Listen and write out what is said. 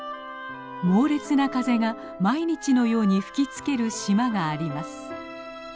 猛烈な風が毎日のように吹きつける島があります。